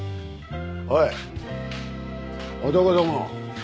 おい男ども。